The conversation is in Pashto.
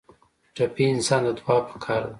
ټپي انسان ته دعا پکار ده.